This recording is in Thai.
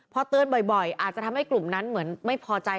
พอเตือนบ่อยอาจจะทำให้กลุ่มนั้นเหมือนไม่พอใจ